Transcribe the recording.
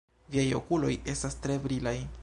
Viaj okuloj estas tre brilaj!